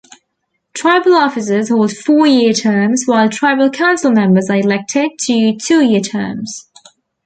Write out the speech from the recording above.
Tribal officers hold four-year terms while tribal council members are elected to two-year terms.